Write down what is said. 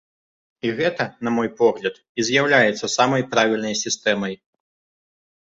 І гэта, на мой погляд, і з'яўляецца самай правільнай сістэмай.